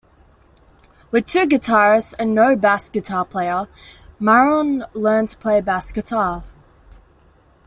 With two guitarists and no bass guitar player, Mahon learned to play bass guitar.